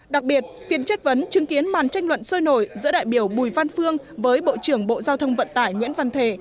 đặc biệt phiên chất vấn chứng kiến màn tranh luận sôi nổi giữa đại biểu bùi văn phương với bộ trưởng bộ giao thông vận tải nguyễn văn thể